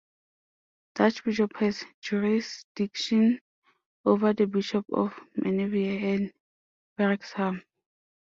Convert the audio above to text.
The archbishop has jurisdiction over the bishops of Menevia and Wrexham.